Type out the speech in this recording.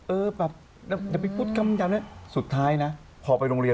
เออเค้าก็ไปอยู่ในสังคมของเค้า